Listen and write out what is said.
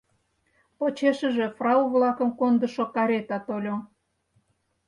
Почешыже фрау-влакым кондышо карета тольо.